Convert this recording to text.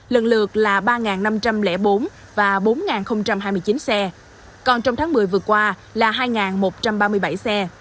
lần lượt là ba năm trăm linh bốn và bốn hai mươi chín xe còn trong tháng một mươi vừa qua là hai một trăm ba mươi bảy xe